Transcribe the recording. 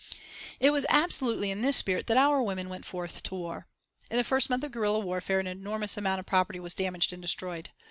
It was absolutely in this spirit that our women went forth to war. In the first month of guerilla warfare an enormous amount of property was damaged and destroyed.